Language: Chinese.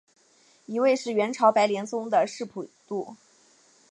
一位是元朝白莲宗的释普度。